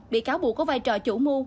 bị cáo buộc có vai trò chủ mưu